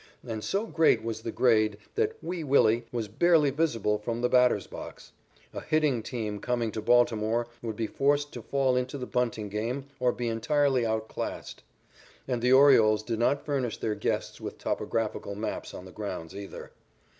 And so great was the grade that "Wee Willie" was barely visible from the batter's box. A hitting team coming to Baltimore would be forced to fall into the bunting game or be entirely outclassed. And the Orioles did not furnish their guests with topographical maps of the grounds either.